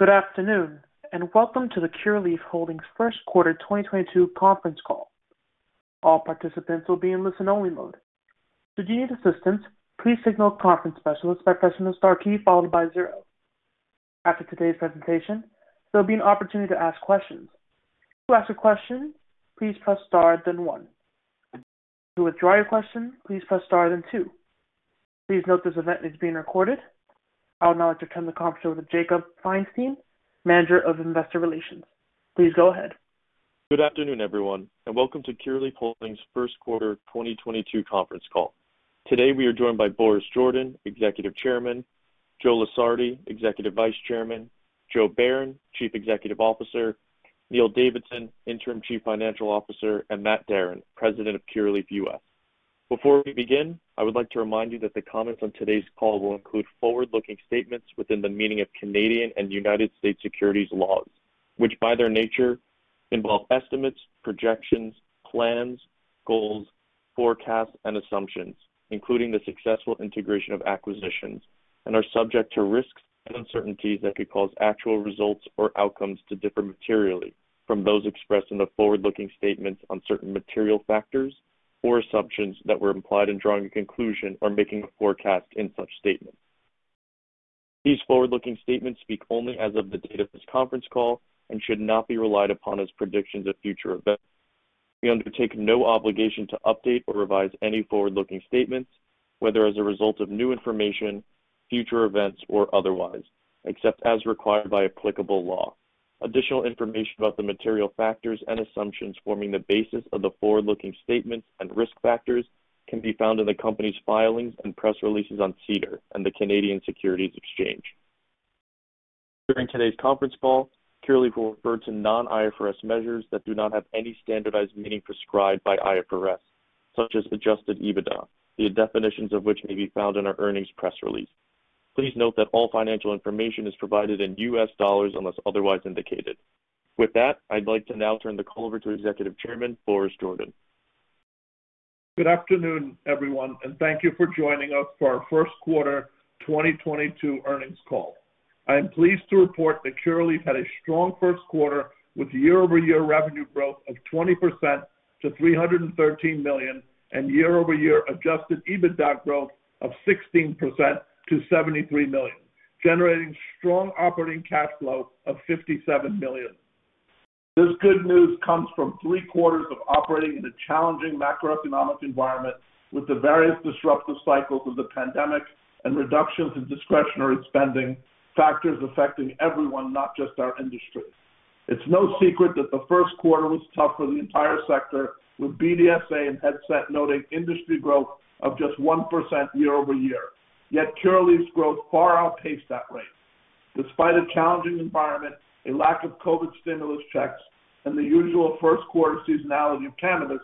Good afternoon, and welcome to the Curaleaf Holdings First Quarter 2022 conference call. All participants will be in listen-only mode. Should you need assistance, please signal conference specialist by pressing the star key followed by zero. After today's presentation, there'll be an opportunity to ask questions. To ask a question, please press star then one. To withdraw your question, please press star then two. Please note this event is being recorded. I would now like to turn the conference over to Jakob Feinstein, Manager of Investor Relations. Please go ahead. Good afternoon, everyone, and welcome to Curaleaf Holdings First Quarter 2022 conference call. Today, we are joined by Boris Jordan, Executive Chairman, Joseph Lusardi, Executive Vice Chairman, Joseph Bayern, Chief Executive Officer, Neil Davidson, Interim Chief Financial Officer, and Matt Darin, President of Curaleaf US. Before we begin, I would like to remind you that the comments on today's call will include forward-looking statements within the meaning of Canadian and United States securities laws, which by their nature involve estimates, projections, plans, goals, forecasts, and assumptions, including the successful integration of acquisitions and are subject to risks and uncertainties that could cause actual results or outcomes to differ materially from those expressed in the forward-looking statements on certain material factors or assumptions that were implied in drawing a conclusion or making a forecast in such statements. These forward-looking statements speak only as of the date of this conference call and should not be relied upon as predictions of future events. We undertake no obligation to update or revise any forward-looking statements, whether as a result of new information, future events, or otherwise, except as required by applicable law. Additional information about the material factors and assumptions forming the basis of the forward-looking statements and risk factors can be found in the company's filings and press releases on Cedar and the Canadian Securities Exchange. During today's conference call, Curaleaf will refer to non-IFRS measures that do not have any standardized meaning prescribed by IFRS, such as Adjusted EBITDA, the definitions of which may be found in our earnings press release. Please note that all financial information is provided in U.S. dollars unless otherwise indicated. With that, I'd like to now turn the call over to Executive Chairman, Boris Jordan. Good afternoon, everyone, and thank you for joining us for our first quarter 2022 earnings call. I am pleased to report that Curaleaf had a strong first quarter with year-over-year revenue growth of 20% to $313 million, and year-over-year Adjusted EBITDA growth of 16% to $73 million, generating strong operating cash flow of $57 million. This good news comes from three quarters of operating in a challenging macroeconomic environment with the various disruptive cycles of the pandemic and reductions in discretionary spending factors affecting everyone, not just our industry. It's no secret that the first quarter was tough for the entire sector, with BDSA and Headset noting industry growth of just 1% year-over-year. Yet Curaleaf's growth far outpaced that rate. Despite a challenging environment, a lack of COVID stimulus checks, and the usual first quarter seasonality of cannabis,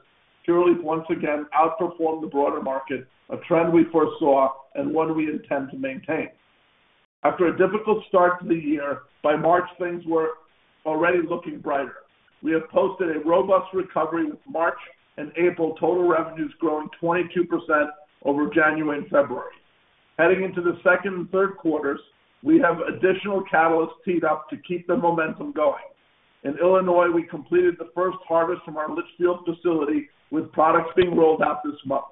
Curaleaf once again outperformed the broader market, a trend we foresaw and one we intend to maintain. After a difficult start to the year, by March, things were already looking brighter. We have posted a robust recovery with March and April total revenues growing 22% over January and February. Heading into the second and third quarters, we have additional catalysts teed up to keep the momentum going. In Illinois, we completed the first harvest from our Litchfield facility, with products being rolled out this month.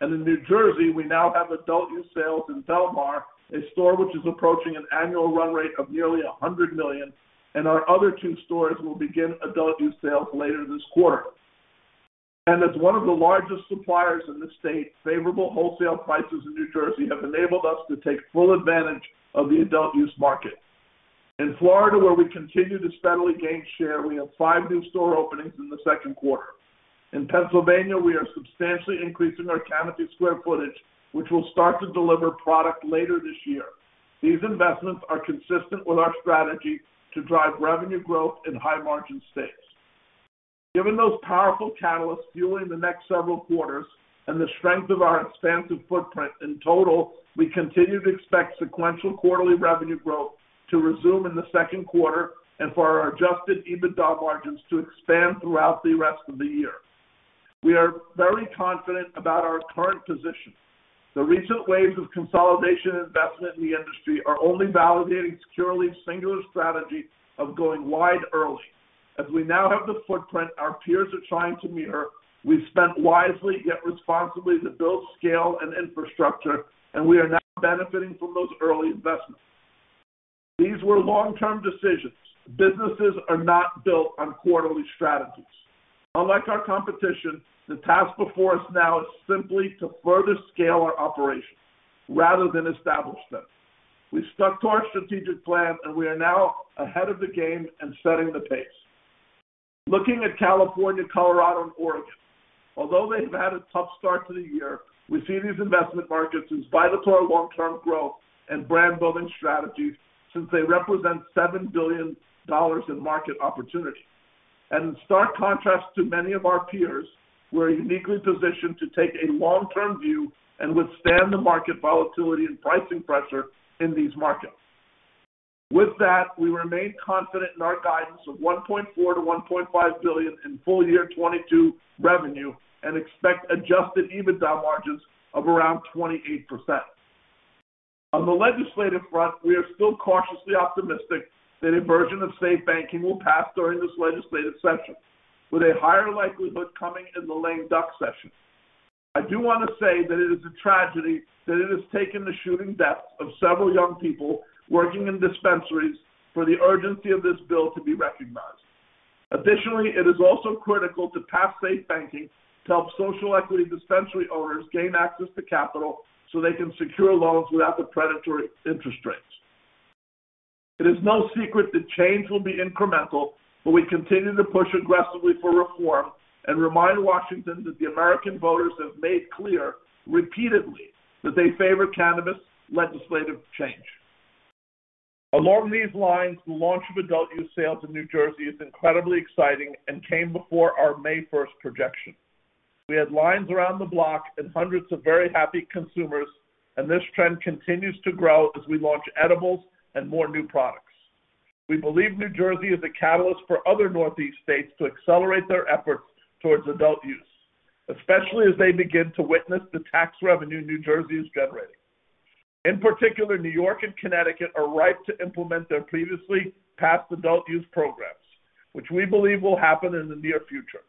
In New Jersey, we now have adult use sales in Belmar, a store which is approaching an annual run rate of nearly $100 million, and our other two stores will begin adult use sales later this quarter. As one of the largest suppliers in the state, favorable wholesale prices in New Jersey have enabled us to take full advantage of the adult use market. In Florida, where we continue to steadily gain share, we have five new store openings in the second quarter. In Pennsylvania, we are substantially increasing our canopy square footage, which will start to deliver product later this year. These investments are consistent with our strategy to drive revenue growth in high-margin states. Given those powerful catalysts fueling the next several quarters and the strength of our expansive footprint in total, we continue to expect sequential quarterly revenue growth to resume in the second quarter and for our Adjusted EBITDA margins to expand throughout the rest of the year. We are very confident about our current position. The recent waves of consolidation investment in the industry are only validating our singular strategy of going wide early. As we now have the footprint our peers are trying to mirror, we've spent wisely yet responsibly to build scale and infrastructure, and we are now benefiting from those early investments. These were long-term decisions. Businesses are not built on quarterly strategies. Unlike our competition, the task before us now is simply to further scale our operations rather than establish them. We've stuck to our strategic plan, and we are now ahead of the game and setting the pace. Looking at California, Colorado, and Oregon, although they have had a tough start to the year, we see these investable markets as vital to our long-term growth and brand-building strategy since they represent $7 billion in market opportunity. In stark contrast to many of our peers, we're uniquely positioned to take a long-term view and withstand the market volatility and pricing pressure in these markets. With that, we remain confident in our guidance of $1.4 billion-$1.5 billion in full year 2022 revenue and expect Adjusted EBITDA margins of around 28%. On the legislative front, we are still cautiously optimistic that a version of SAFE Banking will pass during this legislative session, with a higher likelihood coming in the lame duck session. I do want to say that it is a tragedy that it has taken the shooting deaths of several young people working in dispensaries for the urgency of this bill to be recognized. Additionally, it is also critical to pass SAFE Banking to help social equity dispensary owners gain access to capital so they can secure loans without the predatory interest rates. It is no secret that change will be incremental, but we continue to push aggressively for reform and remind Washington that the American voters have made clear repeatedly that they favor cannabis legislative change. Along these lines, the launch of adult use sales in New Jersey is incredibly exciting and came before our May 1 projection. We had lines around the block and hundreds of very happy consumers, and this trend continues to grow as we launch edibles and more new products. We believe New Jersey is a catalyst for other Northeast states to accelerate their efforts towards adult use, especially as they begin to witness the tax revenue New Jersey is generating. In particular, New York and Connecticut are ripe to implement their previously passed adult use programs, which we believe will happen in the near future.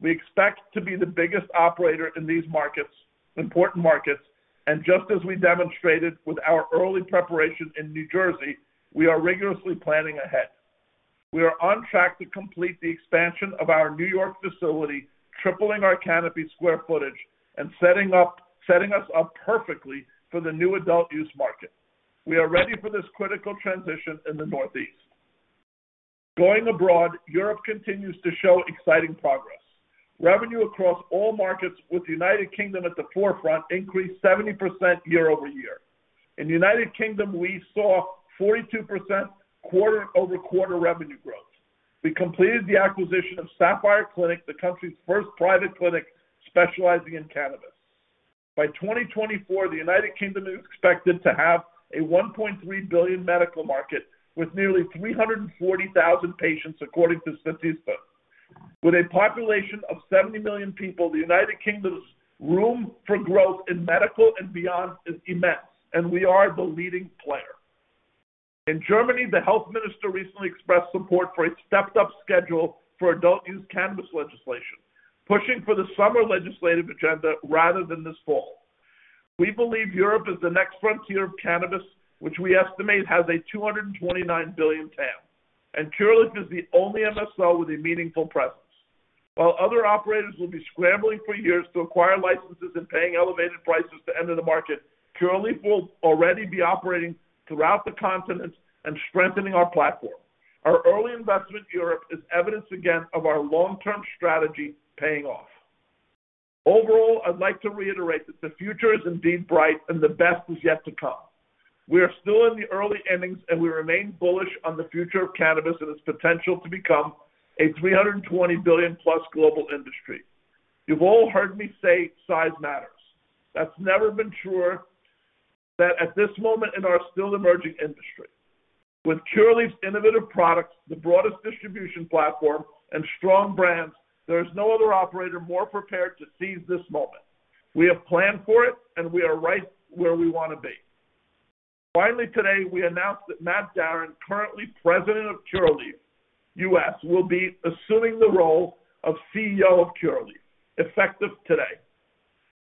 We expect to be the biggest operator in these markets, important markets, and just as we demonstrated with our early preparation in New Jersey, we are rigorously planning ahead. We are on track to complete the expansion of our New York facility, tripling our canopy square footage and setting us up perfectly for the new adult use market. We are ready for this critical transition in the Northeast. Going abroad, Europe continues to show exciting progress. Revenue across all markets with the United Kingdom at the forefront increased 70% year-over-year. In the United Kingdom, we saw 42% quarter-over-quarter revenue growth. We completed the acquisition of Sapphire Medical Clinics, the country's first private clinic specializing in cannabis. By 2024, the United Kingdom is expected to have a $1.3 billion medical market with nearly 340,000 patients, according to Statista. With a population of 70 million people, the United Kingdom's room for growth in medical and beyond is immense, and we are the leading player. In Germany, the health minister recently expressed support for a stepped-up schedule for adult use cannabis legislation, pushing for the summer legislative agenda rather than this fall. We believe Europe is the next frontier of cannabis, which we estimate has a $229 billion TAM, and Curaleaf is the only MSO with a meaningful presence. While other operators will be scrambling for years to acquire licenses and paying elevated prices to enter the market, Curaleaf will already be operating throughout the continent and strengthening our platform. Our early investment in Europe is evidence again of our long-term strategy paying off. Overall, I'd like to reiterate that the future is indeed bright and the best is yet to come. We are still in the early innings, and we remain bullish on the future of cannabis and its potential to become a $320 billion-plus global industry. You've all heard me say size matters. That's never been truer than at this moment in our still emerging industry. With Curaleaf's innovative products, the broadest distribution platform, and strong brands, there is no other operator more prepared to seize this moment. We have planned for it, and we are right where we want to be. Finally, today, we announced that Matt Darin, currently President of Curaleaf US, will be assuming the role of CEO of Curaleaf, effective today.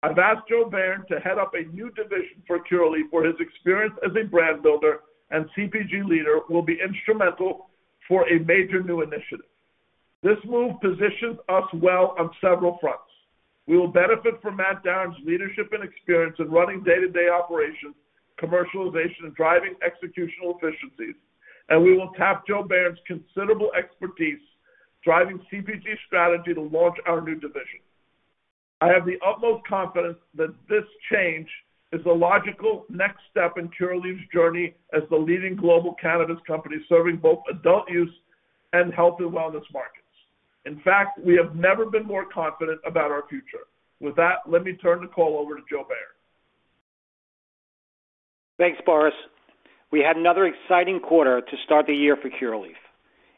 I've asked Joe Bayer to head up a new division for Curaleaf, where his experience as a brand builder and CPG leader will be instrumental for a major new initiative. This move positions us well on several fronts. We will benefit from Matt Darin's leadership and experience in running day-to-day operations, commercialization, and driving executional efficiencies, and we will tap Joe Bayer's considerable expertise driving CPG strategy to launch our new division. I have the utmost confidence that this change is a logical next step in Curaleaf's journey as the leading global cannabis company serving both adult use and health and wellness markets. In fact, we have never been more confident about our future. With that, let me turn the call over to Joe Bayer. Thanks, Boris. We had another exciting quarter to start the year for Curaleaf.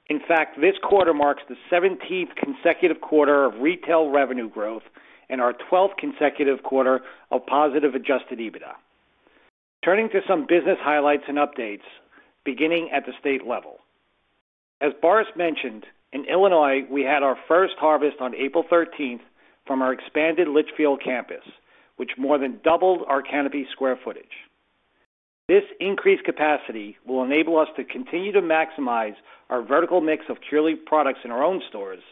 In fact, this quarter marks the 17th consecutive quarter of retail revenue growth and our 12th consecutive quarter of positive Adjusted EBITDA. Turning to some business highlights and updates, beginning at the state level. As Boris mentioned, in Illinois, we had our first harvest on April 13 from our expanded Litchfield campus, which more than doubled our canopy square footage. This increased capacity will enable us to continue to maximize our vertical mix of Curaleaf products in our own stores,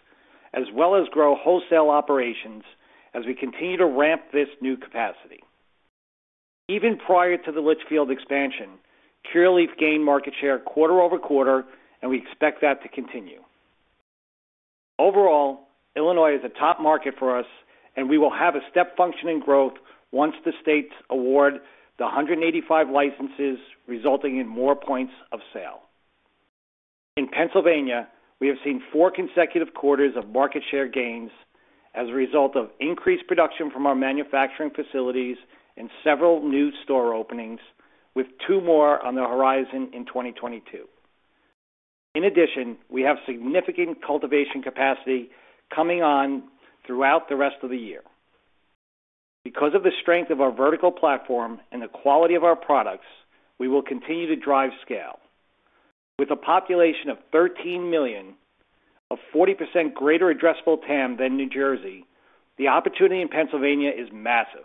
as well as grow wholesale operations as we continue to ramp this new capacity. Even prior to the Litchfield expansion, Curaleaf gained market share quarter-over-quarter, and we expect that to continue. Overall, Illinois is a top market for us, and we will have a step function in growth once the states award the 185 licenses, resulting in more points of sale. In Pennsylvania, we have seen 4 consecutive quarters of market share gains as a result of increased production from our manufacturing facilities and several new store openings, with two more on the horizon in 2022. In addition, we have significant cultivation capacity coming on throughout the rest of the year. Because of the strength of our vertical platform and the quality of our products, we will continue to drive scale. With a population of 13 million, a 40% greater addressable TAM than New Jersey, the opportunity in Pennsylvania is massive.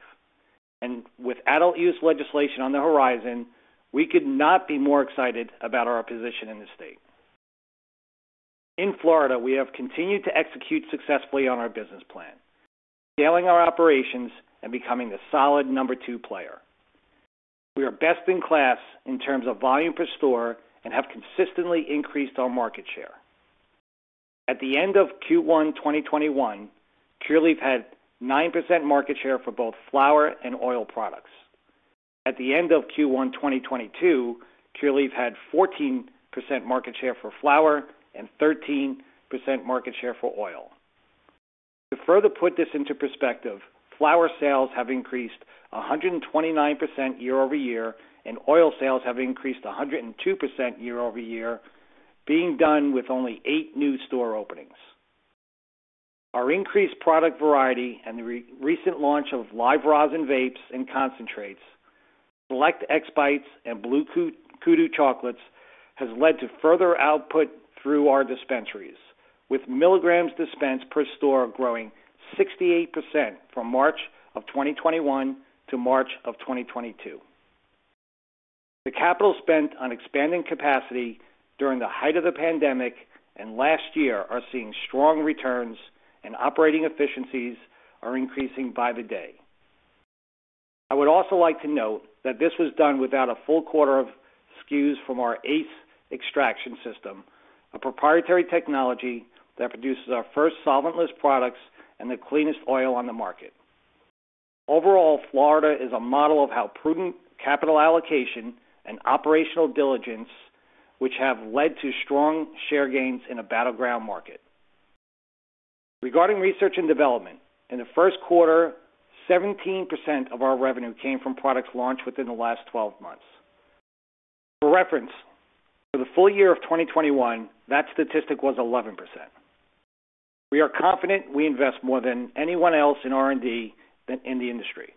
With adult use legislation on the horizon, we could not be more excited about our position in the state. In Florida, we have continued to execute successfully on our business plan, scaling our operations and becoming the solid number two player. We are best in class in terms of volume per store and have consistently increased our market share. At the end of Q1 2021, Curaleaf had 9% market share for both flower and oil products. At the end of Q1 2022, Curaleaf had 14% market share for flower and 13% market share for oil. To further put this into perspective, flower sales have increased 129% year over year, and oil sales have increased 102% year over year, being done with only 8 new store openings. Our increased product variety and the recent launch of live rosin vapes and concentrates, Select X Bites and Blue Kudu Chocolates has led to further output through our dispensaries, with milligrams dispensed per store growing 68% from March of 2021 to March of 2022. The capital spent on expanding capacity during the height of the pandemic and last year are seeing strong returns and operating efficiencies are increasing by the day. I would also like to note that this was done without a full quarter of SKUs from our ACE extraction system, a proprietary technology that produces our first solventless products and the cleanest oil on the market. Overall, Florida is a model of how prudent capital allocation and operational diligence, which have led to strong share gains in a battleground market. Regarding research and development, in the first quarter, 17% of our revenue came from products launched within the last 12 months. For reference, for the full year of 2021, that statistic was 11%. We are confident we invest more than anyone else in R&D than in the industry,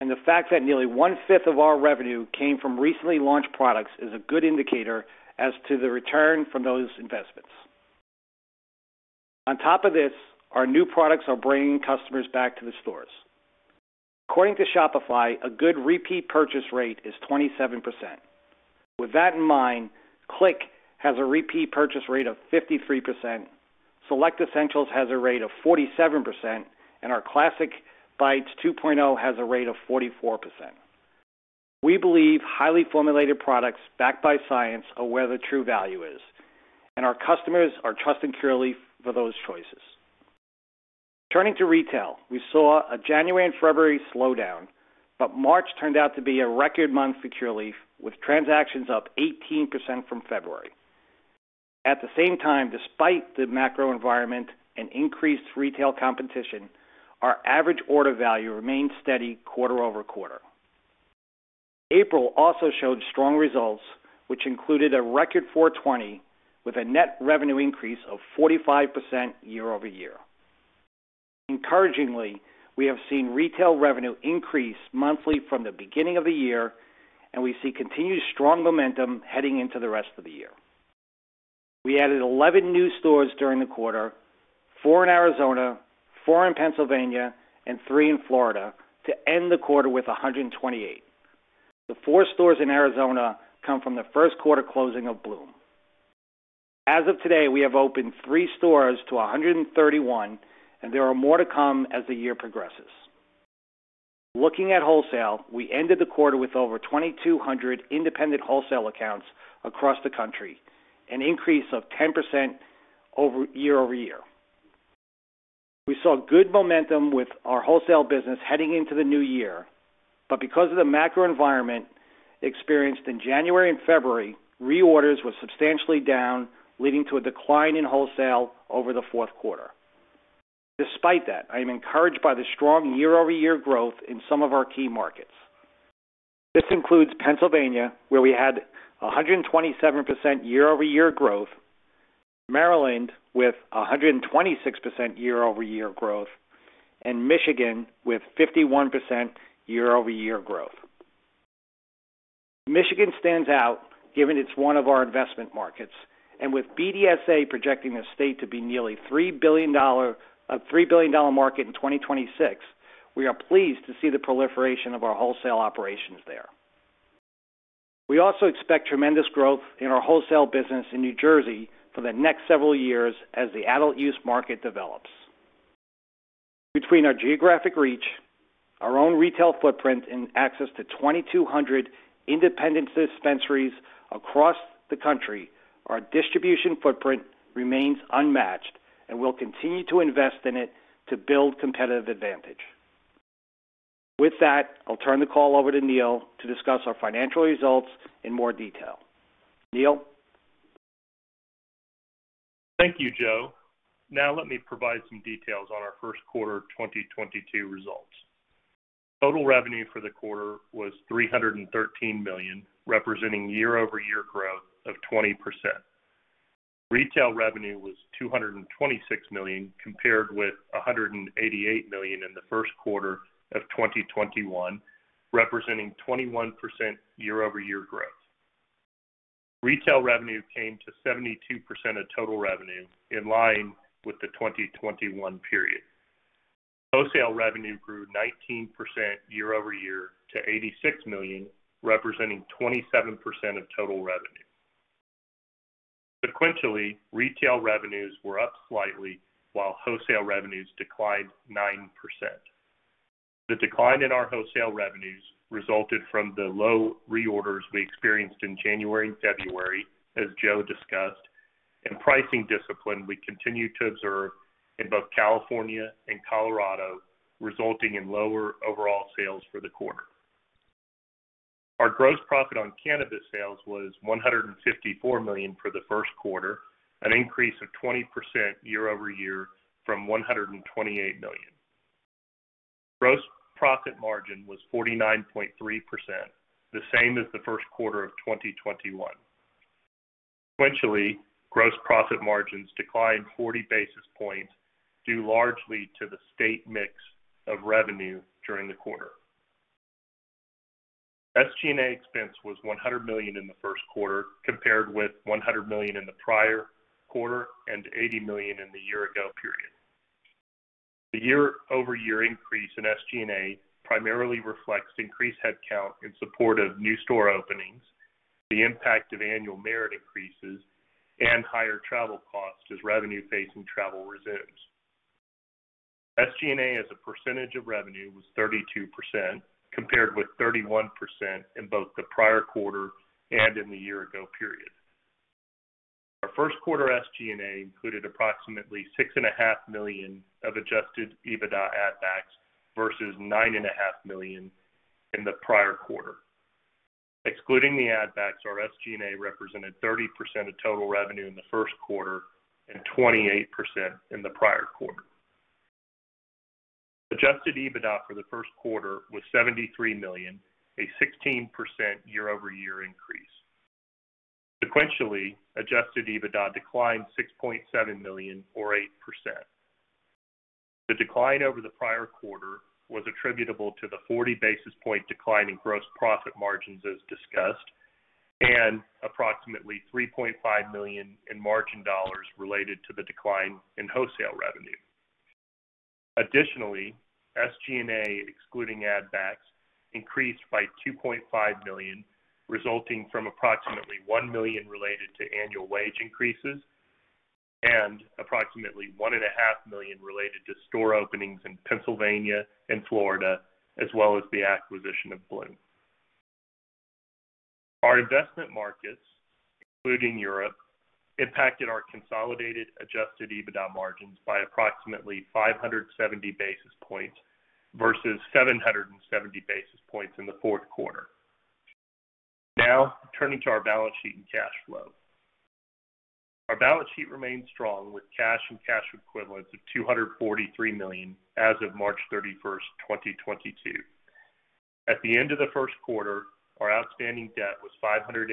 and the fact that nearly one-fifth of our revenue came from recently launched products is a good indicator as to the return from those investments. On top of this, our new products are bringing customers back to the stores. According to Shopify, a good repeat purchase rate is 27%. With that in mind, Cliq has a repeat purchase rate of 53%, Select Essentials has a rate of 47%, and our Classic Bites 2.0 has a rate of 44%. We believe highly formulated products backed by science are where the true value is, and our customers are trusting Curaleaf for those choices. Turning to retail, we saw a January and February slowdown, but March turned out to be a record month for Curaleaf, with transactions up 18% from February. At the same time, despite the macro environment and increased retail competition, our average order value remained steady quarter-over-quarter. April also showed strong results, which included a record 420 with a net revenue increase of 45% year-over-year. Encouragingly, we have seen retail revenue increase monthly from the beginning of the year, and we see continued strong momentum heading into the rest of the year. We added 11 new stores during the quarter, 4 in Arizona, 4 in Pennsylvania, and 3 in Florida to end the quarter with 128. The four stores in Arizona come from the first quarter closing of Bloom. As of today, we have opened 3 stores to 131, and there are more to come as the year progresses. Looking at wholesale, we ended the quarter with over 2,200 independent wholesale accounts across the country, an increase of 10% year-over-year. We saw good momentum with our wholesale business heading into the new year, but because of the macro environment experienced in January and February, reorders were substantially down, leading to a decline in wholesale over the fourth quarter. Despite that, I am encouraged by the strong year-over-year growth in some of our key markets. This includes Pennsylvania, where we had 127% year-over-year growth, Maryland with 126% year-over-year growth, and Michigan with 51% year-over-year growth. Michigan stands out given it's one of our investment markets, and with BDSA projecting the state to be a $3 billion market in 2026, we are pleased to see the proliferation of our wholesale operations there. We also expect tremendous growth in our wholesale business in New Jersey for the next several years as the adult use market develops. Between our geographic reach, our own retail footprint, and access to 2,200 independent dispensaries across the country, our distribution footprint remains unmatched, and we'll continue to invest in it to build competitive advantage. With that, I'll turn the call over to Neil to discuss our financial results in more detail. Neil? Thank you, Joe. Now let me provide some details on our first quarter 2022 results. Total revenue for the quarter was $313 million, representing year-over-year growth of 20%. Retail revenue was $226 million compared with $188 million in the first quarter of 2021, representing 21% year-over-year growth. Retail revenue came to 72% of total revenue, in line with the 2021 period. Wholesale revenue grew 19% year-over-year to $86 million, representing 27% of total revenue. Sequentially, retail revenues were up slightly while wholesale revenues declined 9%. The decline in our wholesale revenues resulted from the low reorders we experienced in January and February, as Joe discussed, and pricing discipline we continued to observe in both California and Colorado, resulting in lower overall sales for the quarter. Our gross profit on cannabis sales was $154 million for the first quarter, an increase of 20% year-over-year from $128 million. Gross profit margin was 49.3%, the same as the first quarter of 2021. Sequentially, gross profit margins declined 40 basis points, due largely to the state mix of revenue during the quarter. SG&A expense was $100 million in the first quarter, compared with $100 million in the prior quarter and $80 million in the year ago period. The year-over-year increase in SG&A primarily reflects increased headcount in support of new store openings, the impact of annual merit increases, and higher travel costs as revenue facing travel resumes. SG&A, as a percentage of revenue, was 32%, compared with 31% in both the prior quarter and in the year ago period. Our first quarter SG&A included approximately $6.5 million of Adjusted EBITDA add backs versus $9.5 million in the prior quarter. Excluding the add backs, our SG&A represented 30% of total revenue in the first quarter and 28% in the prior quarter. Adjusted EBITDA for the first quarter was $73 million, a 16% year-over-year increase. Sequentially, Adjusted EBITDA declined $6.7 million or 8%. The decline over the prior quarter was attributable to the 40 basis point decline in gross profit margins, as discussed, and approximately $3.5 million in margin dollars related to the decline in wholesale revenue. SG&A, excluding add backs, increased by $2.5 million, resulting from approximately $1 million related to annual wage increases and approximately $1.5 million related to store openings in Pennsylvania and Florida, as well as the acquisition of Bloom. Our investment markets, including Europe, impacted our consolidated adjusted EBITDA margins by approximately 570 basis points versus 770 basis points in the fourth quarter. Now turning to our balance sheet and cash flow. Our balance sheet remains strong with cash and cash equivalents of $243 million as of March 31, 2022. At the end of the first quarter, our outstanding debt was $584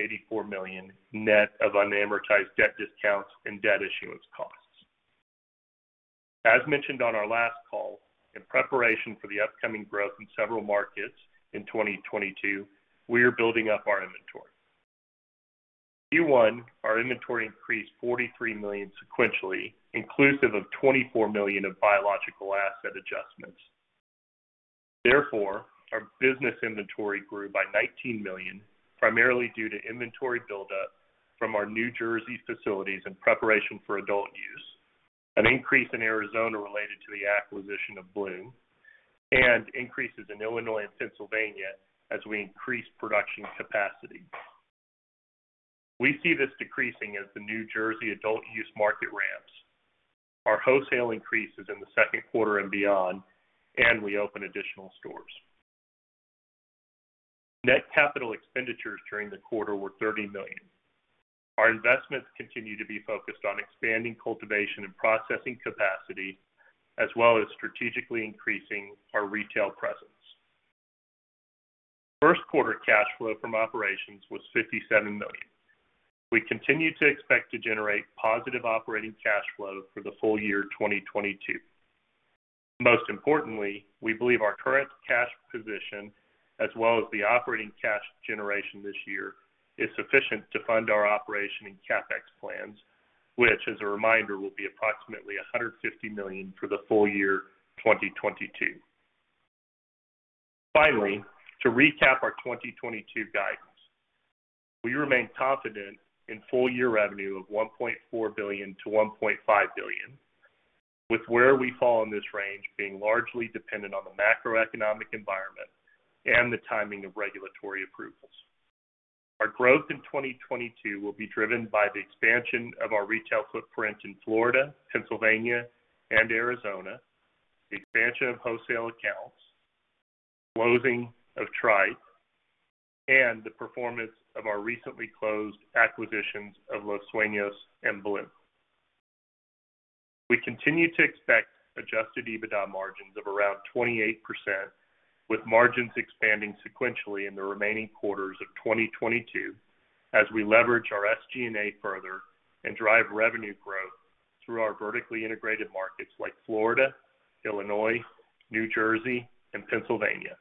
million net of unamortized debt discounts and debt issuance costs. As mentioned on our last call, in preparation for the upcoming growth in several markets in 2022, we are building up our inventory. Q1, our inventory increased $43 million sequentially, inclusive of $20 million of biological asset adjustments. Therefore, our business inventory grew by $19 million, primarily due to inventory buildup from our New Jersey facilities in preparation for adult use, an increase in Arizona related to the acquisition of Bloom, and increases in Illinois and Pennsylvania as we increase production capacity. We see this decreasing as the New Jersey adult use market ramps. Our wholesale increases in the second quarter and beyond and we open additional stores. Net capital expenditures during the quarter were $30 million. Our investments continue to be focused on expanding cultivation and processing capacity, as well as strategically increasing our retail presence. First quarter cash flow from operations was $57 million. We continue to expect to generate positive operating cash flow for the full year 2022. Most importantly, we believe our current cash position, as well as the operating cash generation this year, is sufficient to fund our operation and CapEx plans, which as a reminder, will be approximately $150 million for the full year, 2022. Finally, to recap our 2022 guidance, we remain confident in full year revenue of $1.4 billion-$1.5 billion, with where we fall in this range being largely dependent on the macroeconomic environment and the timing of regulatory approvals. Our growth in 2022 will be driven by the expansion of our retail footprint in Florida, Pennsylvania, and Arizona, the expansion of wholesale accounts Closing of Tryke and the performance of our recently closed acquisitions of Los Sueños and Bloom. We continue to expect adjusted EBITDA margins of around 28%, with margins expanding sequentially in the remaining quarters of 2022 as we leverage our SG&A further and drive revenue growth through our vertically integrated markets like Florida, Illinois, New Jersey, and Pennsylvania.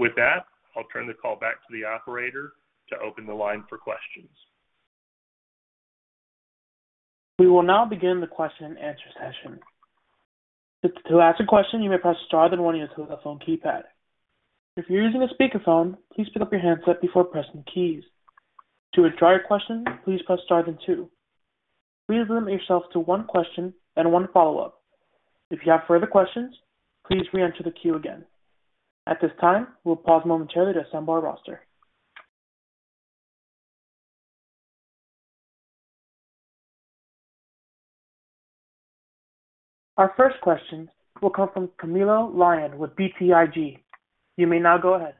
With that, I'll turn the call back to the operator to open the line for questions. We will now begin the question and answer session. To ask a question, you may press star then one on your telephone keypad. If you're using a speakerphone, please pick up your handset before pressing keys. To withdraw your question, please press star then two. Please limit yourself to one question then one follow-up. If you have further questions, please reenter the queue again. At this time, we'll pause momentarily to assemble our roster. Our first question will come from Camilo Lyon with BTIG. You may now go ahead.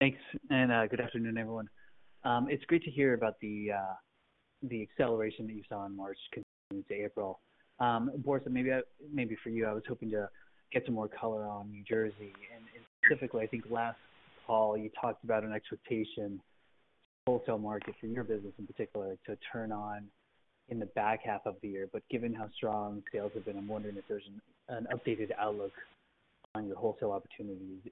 Thanks, good afternoon, everyone. It's great to hear about the acceleration that you saw in March continuing to April. Boris, maybe for you, I was hoping to get some more color on New Jersey. Specifically, I think last call, you talked about an expectation, wholesale markets in your business in particular to turn on in the back half of the year. Given how strong sales have been, I'm wondering if there's an updated outlook on your wholesale opportunities.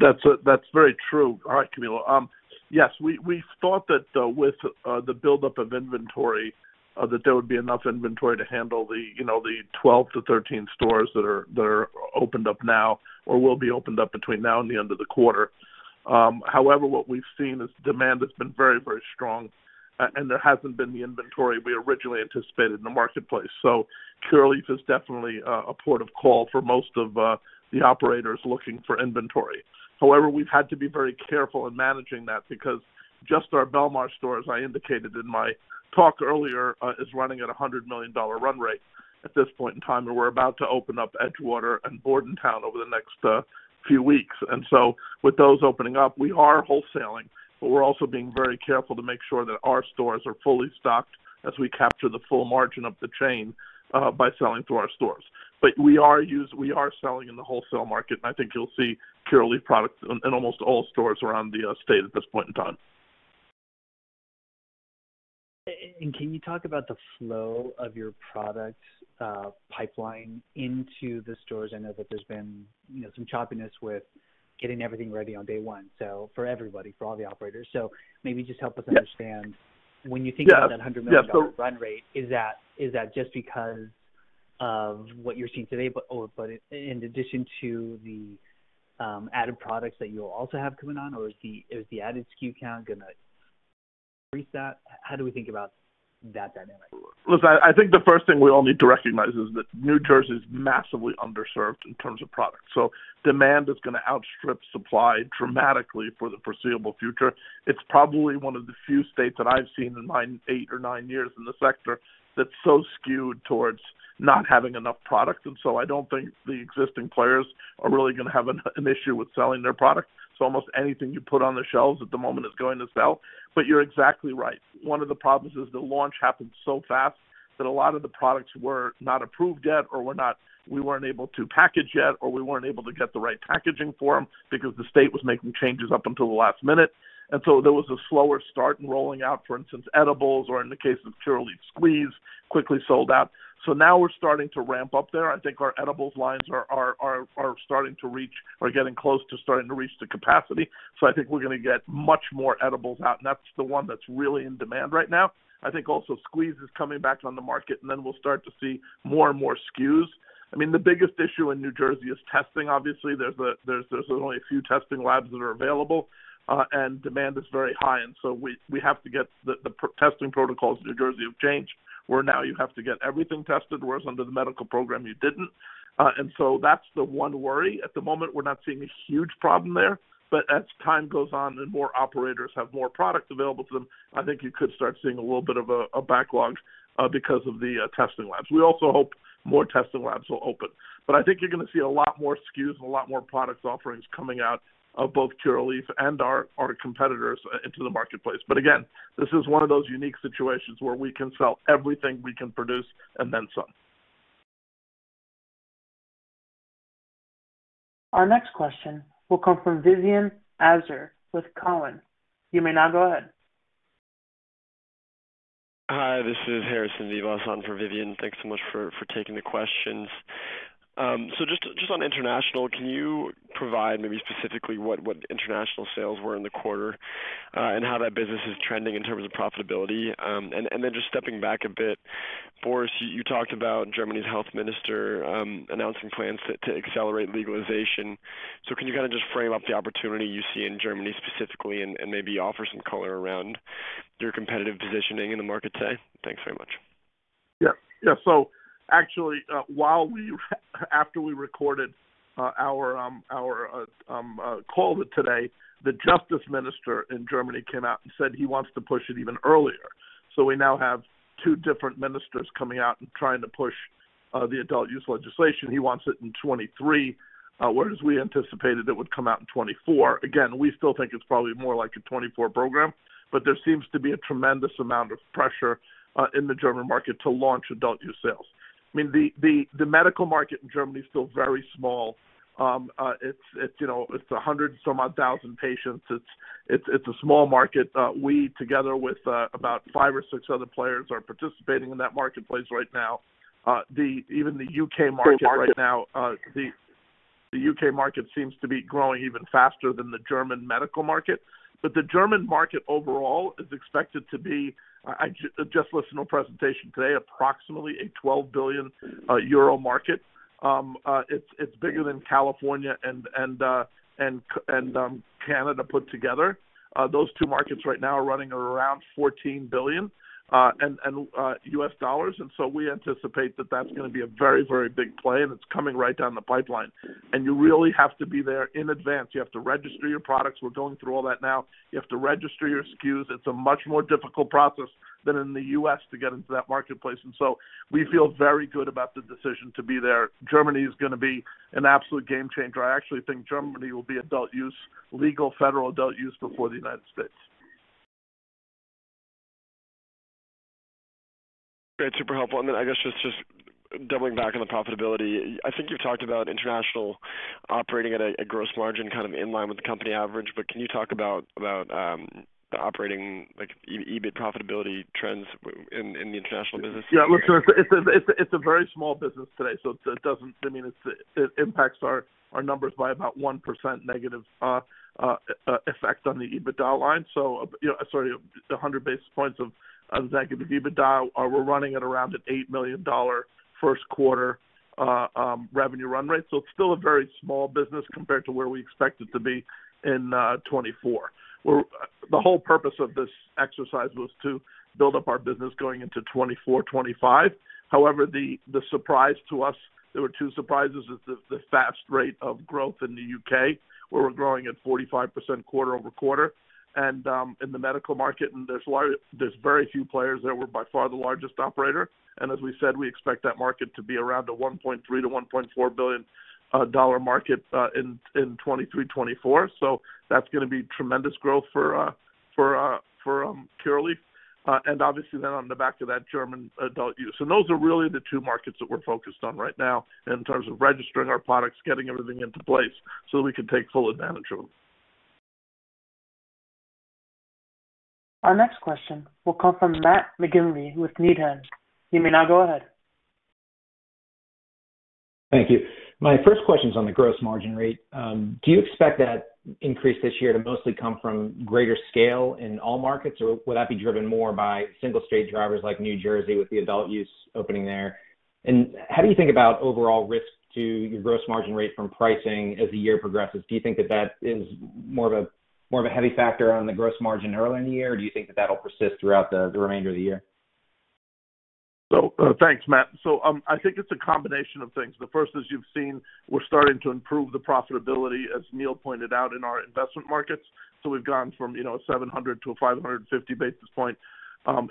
That's very true. All right, Camilo. Yes. We thought that with the buildup of inventory that there would be enough inventory to handle the, you know, the 12-13 stores that are opened up now or will be opened up between now and the end of the quarter. However, what we've seen is demand has been very strong and there hasn't been the inventory we originally anticipated in the marketplace. Curaleaf is definitely a port of call for most of the operators looking for inventory. However, we've had to be very careful in managing that because just our Belmar store, as I indicated in my talk earlier, is running at a $100 million run rate at this point in time, and we're about to open up Edgewater and Bordentown over the next few weeks. With those opening up, we are wholesaling, but we're also being very careful to make sure that our stores are fully stocked as we capture the full margin of the chain by selling through our stores. We are selling in the wholesale market. I think you'll see Curaleaf products in almost all stores around the state at this point in time. Can you talk about the flow of your product pipeline into the stores? I know that there's been, you know, some choppiness with getting everything ready on day one, so for everybody, for all the operators. Maybe just help us understand when you think about that $100 million run rate, is that just because of what you're seeing today, or but in addition to the added products that you'll also have coming on, or is the added SKU count gonna increase that? How do we think about that dynamic? Listen, I think the first thing we all need to recognize is that New Jersey is massively underserved in terms of product. Demand is gonna outstrip supply dramatically for the foreseeable future. It's probably one of the few states that I've seen in my eight or nine years in the sector that's so skewed towards not having enough product. I don't think the existing players are really gonna have an issue with selling their product. Almost anything you put on the shelves at the moment is going to sell. You're exactly right. One of the problems is the launch happened so fast that a lot of the products were not approved yet or we weren't able to package yet, or we weren't able to get the right packaging for them because the state was making changes up until the last minute. There was a slower start in rolling out, for instance, edibles or in the case of Curaleaf Squeeze, quickly sold out. Now we're starting to ramp up there. I think our edibles lines are starting to reach or getting close to starting to reach the capacity. I think we're gonna get much more edibles out, and that's the one that's really in demand right now. I think also Squeeze is coming back on the market, and then we'll start to see more and more SKUs. I mean, the biggest issue in New Jersey is testing obviously. There's only a few testing labs that are available, and demand is very high. Testing protocols in New Jersey have changed, where now you have to get everything tested, whereas under the medical program you didn't. That's the one worry. At the moment, we're not seeing a huge problem there, but as time goes on and more operators have more product available to them, I think you could start seeing a little bit of a backlog because of the testing labs. We also hope more testing labs will open. I think you're gonna see a lot more SKUs and a lot more product offerings coming out of both Curaleaf and our competitors into the marketplace. Again, this is one of those unique situations where we can sell everything we can produce and then some. Our next question will come from Vivien Azer with Cowen. You may now go ahead. Hi, this is Harrison Vivas on for Vivien Azer. Thanks so much for taking the questions. Just on international, can you provide maybe specifically what international sales were in the quarter, and how that business is trending in terms of profitability? And then just stepping back a bit, Boris Jordan, you talked about Germany's health minister announcing plans to accelerate legalization. Can you kind of just frame up the opportunity you see in Germany specifically and maybe offer some color around your competitive positioning in the market today? Thanks very much. Actually, after we recorded our call today, the justice minister in Germany came out and said he wants to push it even earlier. We now have two different ministers coming out and trying to push the adult use legislation. He wants it in 2023, whereas we anticipated it would come out in 2024. Again, we still think it's probably more like a 2024 program, but there seems to be a tremendous amount of pressure in the German market to launch adult use sales. I mean, the medical market in Germany is still very small. It's a 100 and some odd thousand patients. It's a small market. We together with about five or six other players are participating in that marketplace right now. Even the UK market right now seems to be growing even faster than the German medical market. The German market overall is expected to be, I just listened to a presentation today, approximately 12 billion euro market. It's bigger than California and Canada put together. Those two markets right now are running around $14 billion. We anticipate that that's gonna be a very, very big play, and it's coming right down the pipeline. You really have to be there in advance. You have to register your products. We're going through all that now. You have to register your SKUs. It's a much more difficult process than in the U.S. to get into that marketplace. We feel very good about the decision to be there. Germany is gonna be an absolute game changer. I actually think Germany will be adult use, legal federal adult use before the United States. Great. Super helpful. Then I guess just doubling back on the profitability. I think you've talked about international operating at a gross margin kind of in line with the company average, but can you talk about the operating, like, EBIT profitability trends in the international business? Yeah. Look, so it's a very small business today. I mean, it impacts our numbers by about 1% negative effect on the EBITDA line. So, you know, sorry, 100 basis points of negative EBITDA. We're running at around $8 million first quarter revenue run rate. So it's still a very small business compared to where we expect it to be in 2024. The whole purpose of this exercise was to build up our business going into 2024, 2025. However, the surprise to us, there were two surprises, is the fast rate of growth in the UK, where we're growing at 45% quarter-over-quarter. In the medical market, there's very few players there. We're by far the largest operator. As we said, we expect that market to be around a $1.3 billion-$1.4 billion dollar market in 2023-2024. That's gonna be tremendous growth for Curaleaf. Obviously then on the back of that, German adult use. Those are really the two markets that we're focused on right now in terms of registering our products, getting everything into place so we can take full advantage of them. Our next question will come from Matt McGinley with Needham. You may now go ahead. Thank you. My first question is on the gross margin rate. Do you expect that increase this year to mostly come from greater scale in all markets, or will that be driven more by single state drivers like New Jersey with the adult use opening there? How do you think about overall risk to your gross margin rate from pricing as the year progresses? Do you think that is more of a heavy factor on the gross margin early in the year, or do you think that that'll persist throughout the remainder of the year? Thanks, Matt. I think it's a combination of things. The first, as you've seen, we're starting to improve the profitability, as Neil pointed out, in our investment markets. We've gone from, you know, 700 to a 550 basis point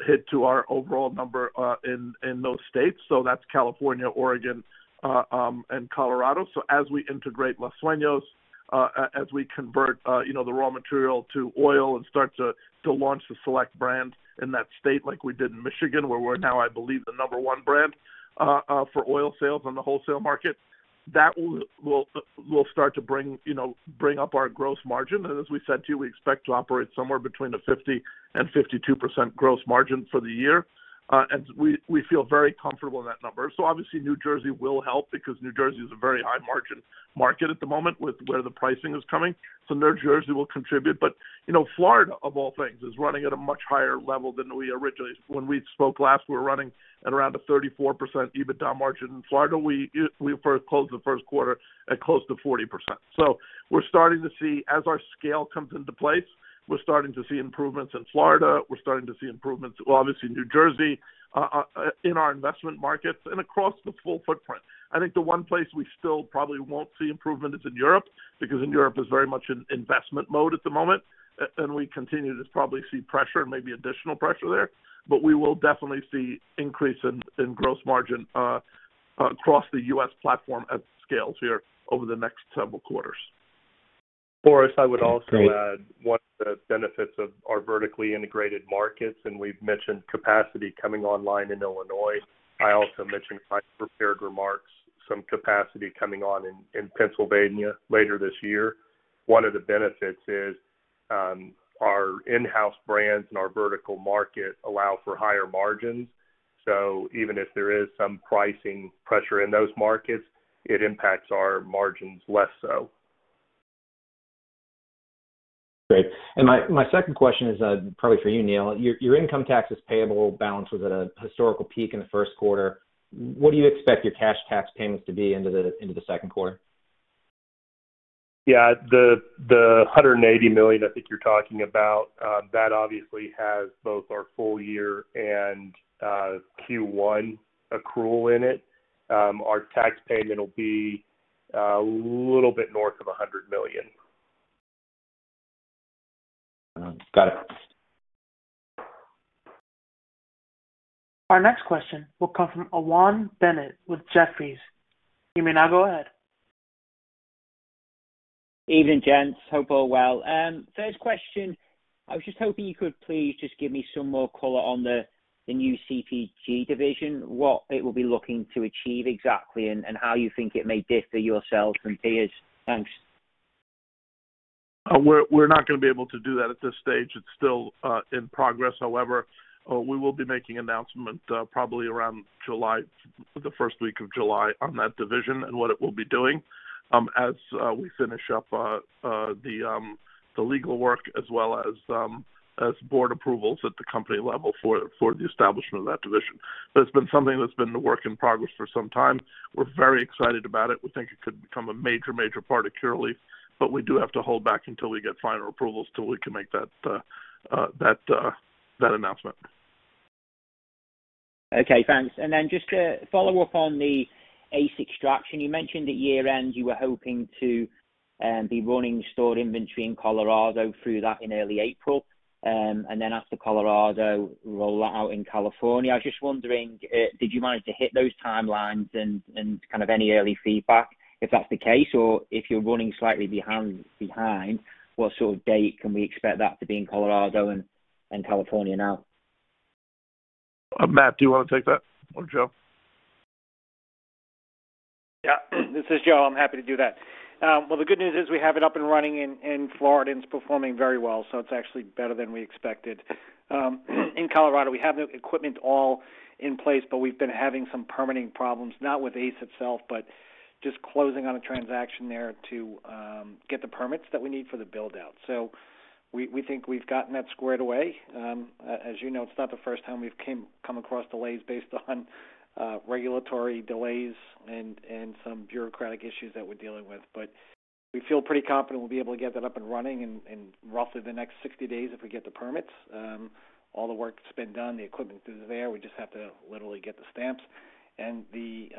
hit to our overall number in those states. That's California, Oregon, and Colorado. As we integrate Los Sueños, as we convert the raw material to oil and start to launch the Select brands in that state like we did in Michigan, where we're now, I believe, the number one brand for oil sales on the wholesale market, that will start to bring, you know, up our gross margin. As we said to you, we expect to operate somewhere between a 50%-52% gross margin for the year. We feel very comfortable in that number. Obviously, New Jersey will help because New Jersey is a very high margin market at the moment with where the pricing is coming. New Jersey will contribute. You know, Florida, of all things, is running at a much higher level than we originally. When we spoke last, we were running at around a 34% EBITDA margin. In Florida, we first closed the first quarter at close to 40%. We're starting to see as our scale comes into place, we're starting to see improvements in Florida. We're starting to see improvements, obviously, in New Jersey, in our investment markets and across the full footprint. I think the one place we still probably won't see improvement is in Europe, because in Europe it's very much in investment mode at the moment. We continue to probably see pressure and maybe additional pressure there. We will definitely see increase in gross margin across the U.S. platform at scale here over the next several quarters. Boris, I would also add one of the benefits of our vertically integrated markets, and we've mentioned capacity coming online in Illinois. I also mentioned in my prepared remarks some capacity coming on in Pennsylvania later this year. One of the benefits is, our in-house brands and our vertical market allow for higher margins. Even if there is some pricing pressure in those markets, it impacts our margins less so. Great. My second question is probably for you, Neil. Your income taxes payable balance was at a historical peak in the first quarter. What do you expect your cash tax payments to be into the second quarter? The $180 million I think you're talking about, that obviously has both our full year and Q1 accrual in it. Our tax payment will be a little bit north of $100 million. Got it. Our next question will come from Owen Bennett with Jefferies. You may now go ahead. Evening, gents. Hope all well. First question. I was just hoping you could please just give me some more color on the new CPG division, what it will be looking to achieve exactly, and how you think it may differentiate yourselves from peers. Thanks. We're not gonna be able to do that at this stage. It's still in progress. However, we will be making announcement, probably around July, the first week of July on that division and what it will be doing, as we finish up the legal work as well as as board approvals at the company level for the establishment of that division. It's been something that's been the work in progress for some time. We're very excited about it. We think it could become a major part of Curaleaf, but we do have to hold back until we get final approvals till we can make that announcement. Okay, thanks. Just to follow up on the ACE extraction, you mentioned at year-end you were hoping to be running stored inventory in Colorado through that in early April. After Colorado roll out in California. I was just wondering, did you manage to hit those timelines and kind of any early feedback, if that's the case, or if you're running slightly behind, what sort of date can we expect that to be in Colorado and California now? Matt, do you wanna take that or Joe? Yeah. This is Joe. I'm happy to do that. Well, the good news is we have it up and running in Florida, and it's performing very well, so it's actually better than we expected. In Colorado, we have the equipment all in place, but we've been having some permitting problems, not with ACE itself, but just closing on a transaction there to get the permits that we need for the build-out. We think we've gotten that squared away. As you know, it's not the first time we've come across delays based on regulatory delays and some bureaucratic issues that we're dealing with. We feel pretty confident we'll be able to get that up and running in roughly the next 60 days if we get the permits. All the work's been done, the equipment is there. We just have to literally get the stamps. The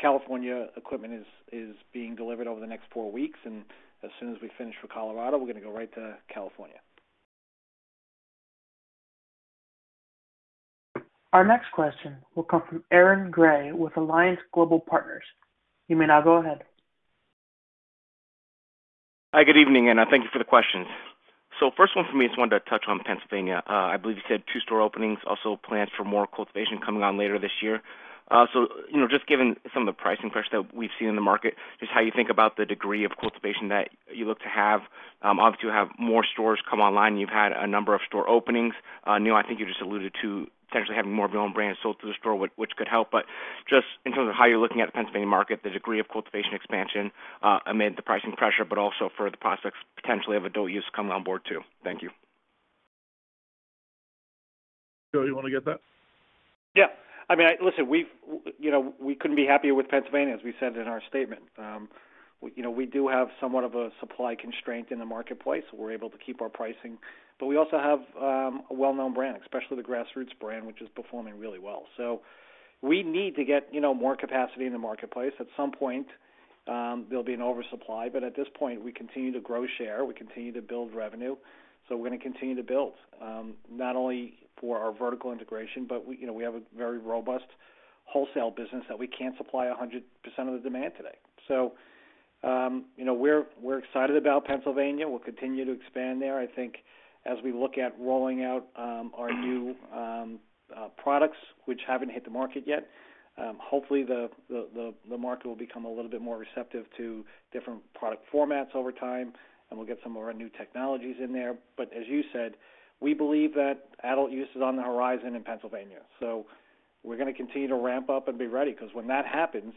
California equipment is being delivered over the next four weeks, and as soon as we finish for Colorado, we're gonna go right to California. Our next question will come from Aaron Grey with Alliance Global Partners. You may now go ahead. Hi, good evening, and thank you for the questions. First one for me, just wanted to touch on Pennsylvania. I believe you said two store openings, also plans for more cultivation coming on later this year. You know, just given some of the pricing pressure that we've seen in the market, just how you think about the degree of cultivation that you look to have. Obviously you have more stores come online. You've had a number of store openings. Neil, I think you just alluded to potentially having more of your own brands sold through the store, which could help. Just in terms of how you're looking at the Pennsylvania market, the degree of cultivation expansion, amid the pricing pressure, but also for the prospects potentially of adult use coming on board too. Thank you. Joe, you wanna get that? Yeah. I mean, listen, we've you know, we couldn't be happier with Pennsylvania, as we said in our statement. You know, we do have somewhat of a supply constraint in the marketplace. We're able to keep our pricing, but we also have a well-known brand, especially the Grassroots brand, which is performing really well. So we need to get you know, more capacity in the marketplace. At some point, there'll be an oversupply, but at this point, we continue to grow share, we continue to build revenue, so we're gonna continue to build not only for our vertical integration, but we you know, we have a very robust wholesale business that we can't supply 100% of the demand today. So you know, we're excited about Pennsylvania. We'll continue to expand there. I think as we look at rolling out our new products which haven't hit the market yet, hopefully the market will become a little bit more receptive to different product formats over time, and we'll get some more new technologies in there. As you said, we believe that adult use is on the horizon in Pennsylvania, so we're gonna continue to ramp up and be ready because when that happens,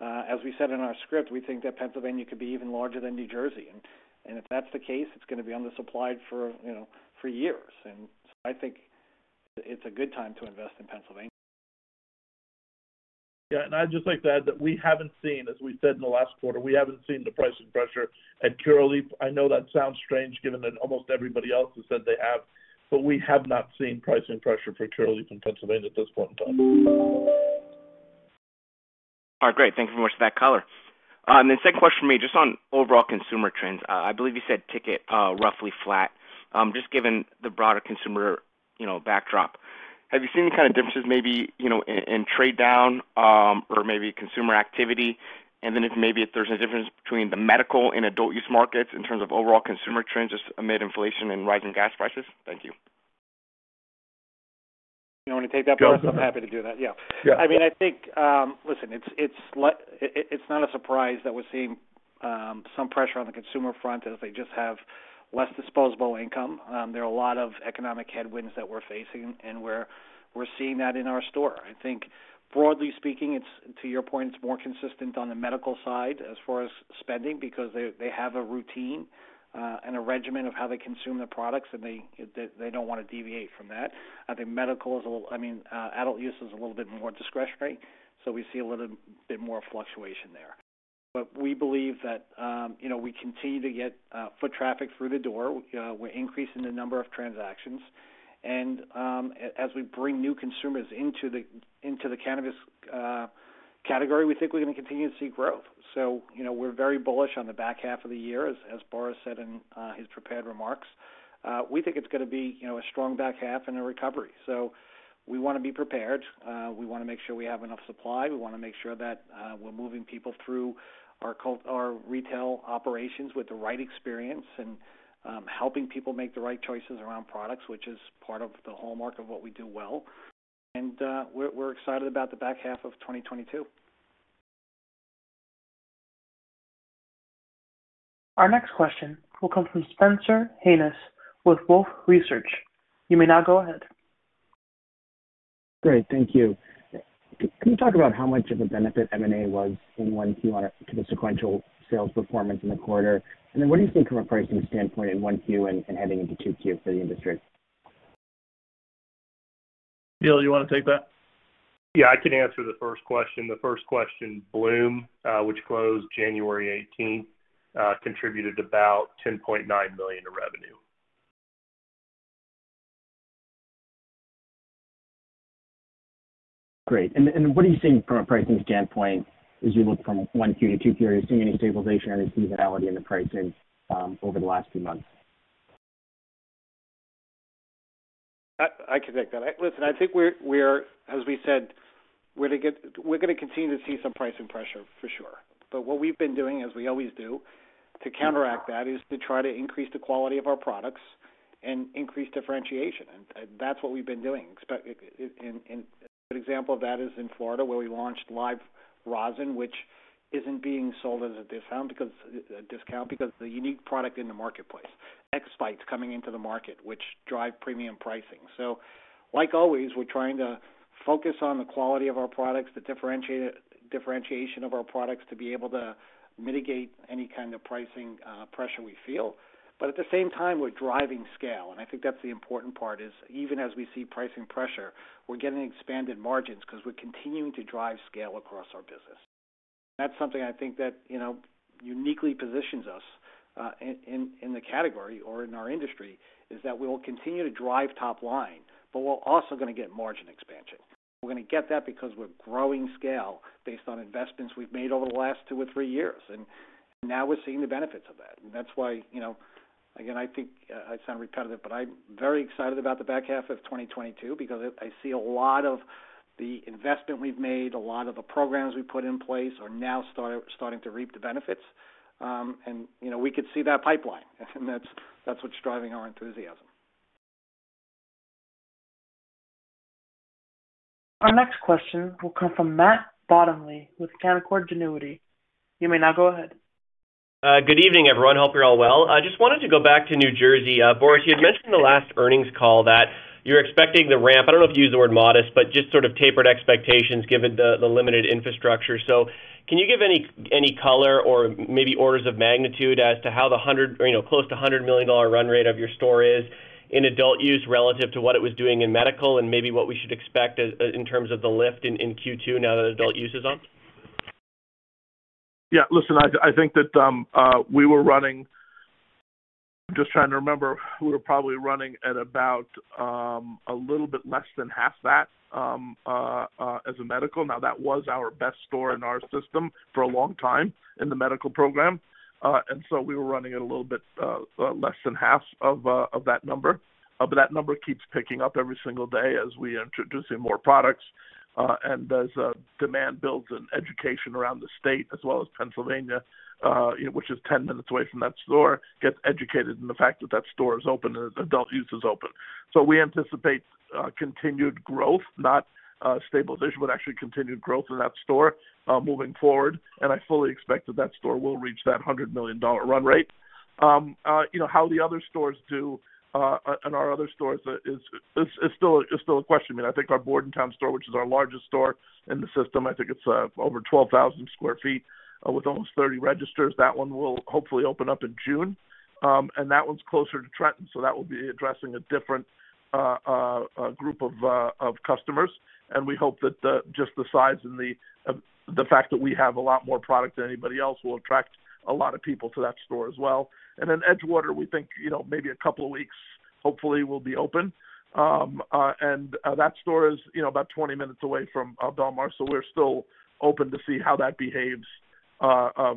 as we said in our script, we think that Pennsylvania could be even larger than New Jersey. If that's the case, it's gonna be undersupplied for, you know, for years. I think it's a good time to invest in Pennsylvania. Yeah. I'd just like to add that we haven't seen, as we said in the last quarter, we haven't seen the pricing pressure at Curaleaf. I know that sounds strange given that almost everybody else has said they have, but we have not seen pricing pressure for Curaleaf in Pennsylvania at this point in time. All right, great. Thank you so much for that color. Second question for me, just on overall consumer trends. I believe you said ticket, roughly flat. Just given the broader consumer, you know, backdrop, have you seen any kind of differences maybe, you know, in trade down, or maybe consumer activity? If maybe there's any difference between the medical and adult use markets in terms of overall consumer trends just amid inflation and rising gas prices. Thank you. You want me to take that, boss? Go ahead. I'm happy to do that. Yeah. Yeah. I mean, I think it's not a surprise that we're seeing some pressure on the consumer front as they just have less disposable income. There are a lot of economic headwinds that we're facing, and we're seeing that in our store. I think broadly speaking, it's to your point, it's more consistent on the medical side as far as spending because they have a routine and a regimen of how they consume their products, and they don't wanna deviate from that. I think medical is a little. I mean, adult use is a little bit more discretionary, so we see a little bit more fluctuation there. We believe that, you know, we continue to get foot traffic through the door. We're increasing the number of transactions. As we bring new consumers into the cannabis category, we think we're gonna continue to see growth. You know, we're very bullish on the back half of the year. As Boris said in his prepared remarks, we think it's gonna be, you know, a strong back half and a recovery. We wanna be prepared. We wanna make sure we have enough supply. We wanna make sure that we're moving people through our retail operations with the right experience and helping people make the right choices around products, which is part of the hallmark of what we do well. We're excited about the back half of 2022. Our next question will come from Spencer Hanus with Wolfe Research. You may now go ahead. Can you talk about how much of a benefit M&A was in 1Q to the sequential sales performance in the quarter? What are you seeing from a pricing standpoint in 1Q and heading into 2Q for the industry? Neil, you wanna take that? Yeah, I can answer the first question. The first question, Bloom, which closed January eighteenth, contributed about $10.9 million in revenue. Great. What are you seeing from a pricing standpoint as you look from 1Q to 2Q? Are you seeing any stabilization or seasonality in the pricing over the last few months? I can take that. Listen, I think we're gonna continue to see some pricing pressure for sure. What we've been doing, as we always do to counteract that, is to try to increase the quality of our products and increase differentiation. That's what we've been doing. A good example of that is in Florida, where we launched Live Resin, which isn't being sold as a discount because it's a unique product in the marketplace. X-Bites coming into the market, which drive premium pricing. Like always, we're trying to focus on the quality of our products, the differentiation of our products to be able to mitigate any kind of pricing pressure we feel. At the same time, we're driving scale, and I think that's the important part, is even as we see pricing pressure, we're getting expanded margins because we're continuing to drive scale across our business. That's something I think that, you know, uniquely positions us in the category or in our industry, is that we will continue to drive top line, but we're also gonna get margin expansion. We're gonna get that because we're growing scale based on investments we've made over the last two or three years, and now we're seeing the benefits of that. That's why, you know, again, I think I sound repetitive, but I'm very excited about the back half of 2022, because I see a lot of the investment we've made, a lot of the programs we've put in place are now starting to reap the benefits. You know, we could see that pipeline, and that's what's driving our enthusiasm. Our next question will come from Matt Bottomley with Canaccord Genuity. You may now go ahead. Good evening, everyone. Hope you're all well. I just wanted to go back to New Jersey. Boris, you had mentioned the last earnings call that you're expecting the ramp. I don't know if you used the word modest, but just sort of tapered expectations given the limited infrastructure. Can you give any color or maybe orders of magnitude as to how the $100, you know, close to $100 million run rate of your store is in adult use relative to what it was doing in medical and maybe what we should expect in terms of the lift in Q2 now that adult use is on? Yeah. Listen, I think that we were probably running at about a little bit less than half that as a medical. Now that was our best store in our system for a long time in the medical program. We were running it a little bit less than half of that number. But that number keeps picking up every single day as we introduce more products and as demand builds and education around the state as well as Pennsylvania, which is 10 minutes away from that store, gets educated in the fact that that store is open and adult use is open. We anticipate continued growth, not stabilization, but actually continued growth in that store moving forward. I fully expect that that store will reach that $100 million run rate. You know, how the other stores do and our other stores is still a question. I mean, I think our Bordentown store, which is our largest store in the system, I think it's over 12,000 sq ft with almost 30 registers. That one will hopefully open up in June. That one's closer to Trenton, so that will be addressing a different group of customers. We hope that just the size and the fact that we have a lot more product than anybody else will attract a lot of people to that store as well. Then Edgewater, we think, you know, maybe a couple of weeks, hopefully, we'll be open. That store is, you know, about 20 minutes away from Belmar, so we're still open to see how that behaves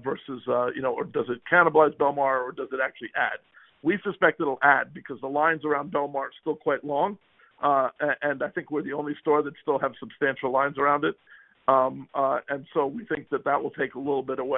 versus, you know, or does it cannibalize Belmar or does it actually add? We suspect it'll add because the lines around Belmar are still quite long, and I think we're the only store that still have substantial lines around it. We think that will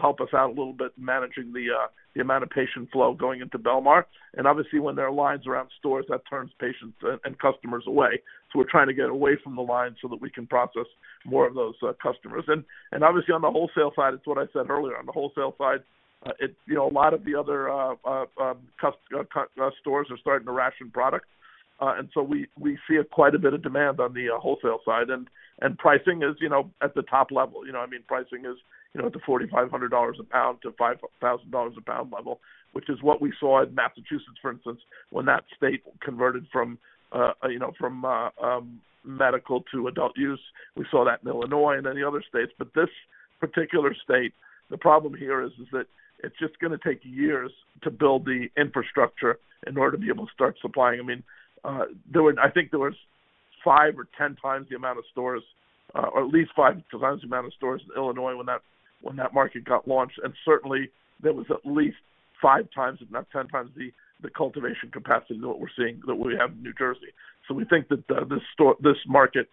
help us out a little bit managing the amount of patient flow going into Belmar. Obviously, when there are lines around stores, that turns patients and customers away. We're trying to get away from the lines so that we can process more of those customers. Obviously on the wholesale side, it's what I said earlier. On the wholesale side, it's, you know, a lot of the other stores are starting to ration product. So we see quite a bit of demand on the wholesale side. Pricing is, you know, at the top level. You know what I mean? Pricing is, you know, at the $4,500-$5,000 a pound level, which is what we saw in Massachusetts, for instance, when that state converted from, you know, from medical to adult use. We saw that in Illinois and in the other states. This particular state. The problem here is that it's just gonna take years to build the infrastructure in order to be able to start supplying. I mean, I think there was 5 or 10 times the amount of stores, or at least five times the amount of stores in Illinois when that market got launched. Certainly, there was at least 5 times, if not 10 times, the cultivation capacity that we're seeing that we have in New Jersey. We think that this store, this market,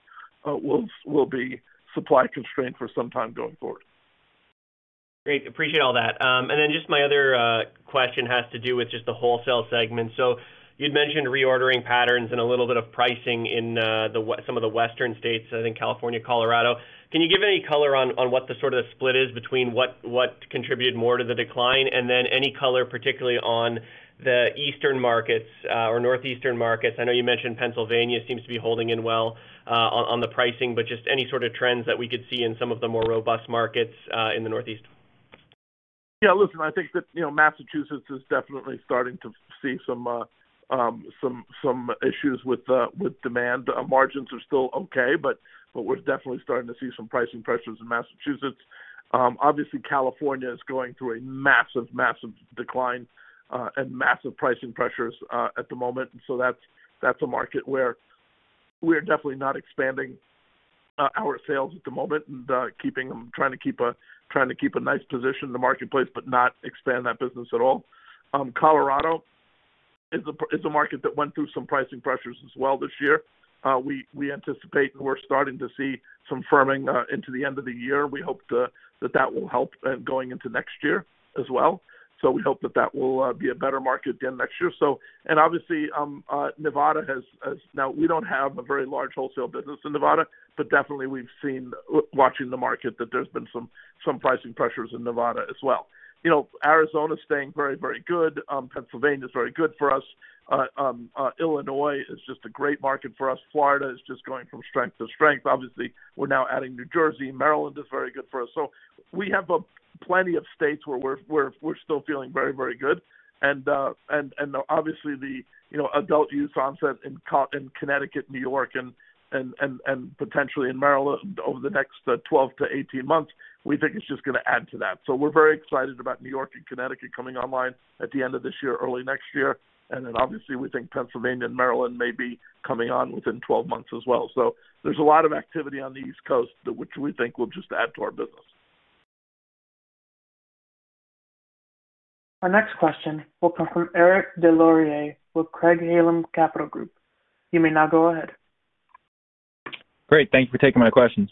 will be supply constrained for some time going forward. Great. Appreciate all that. Just my other question has to do with just the wholesale segment. You'd mentioned reordering patterns and a little bit of pricing in some of the Western states, I think California, Colorado. Can you give any color on what the sort of split is between what contributed more to the decline? Any color, particularly on the Eastern markets or Northeastern markets. I know you mentioned Pennsylvania seems to be holding in well on the pricing, but just any sort of trends that we could see in some of the more robust markets in the Northeast. Yeah, listen, I think that, you know, Massachusetts is definitely starting to see some issues with demand. Margins are still okay, but we're definitely starting to see some pricing pressures in Massachusetts. Obviously, California is going through a massive decline and massive pricing pressures at the moment. That's a market where we're definitely not expanding our sales at the moment and trying to keep a nice position in the marketplace but not expand that business at all. Colorado is a market that went through some pricing pressures as well this year. We anticipate and we're starting to see some firming into the end of the year. We hope that will help going into next year as well. We hope that will be a better market again next year. Obviously, Nevada has. Now, we don't have a very large wholesale business in Nevada, but definitely we've seen watching the market that there's been some pricing pressures in Nevada as well. You know, Arizona is staying very, very good. Pennsylvania is very good for us. Illinois is just a great market for us. Florida is just going from strength to strength. Obviously, we're now adding New Jersey. Maryland is very good for us. We have plenty of states where we're still feeling very, very good. Obviously the, you know, adult use onset in Connecticut, New York, and potentially in Maryland over the next 12-18 months, we think it's just gonna add to that. We're very excited about New York and Connecticut coming online at the end of this year, early next year. Obviously, we think Pennsylvania and Maryland may be coming on within 12 months as well. There's a lot of activity on the East Coast, which we think will just add to our business. Our next question will come from Eric Des Lauriers with Craig-Hallum Capital Group. You may now go ahead. Great. Thank you for taking my questions.